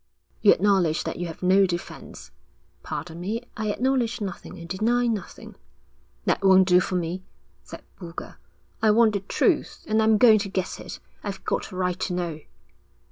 'You acknowledge that you have no defence.' 'Pardon me, I acknowledge nothing and deny nothing.' 'That won't do for me,' said Boulger. 'I want the truth, and I'm going to get it. I've got a right to know.'